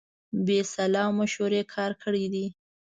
بې سلا مشورې کار کړی دی.